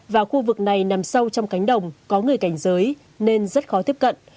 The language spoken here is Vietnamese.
và khu vực này nằm sâu trong cánh đồng có người cảnh giới nên rất khó tiếp cận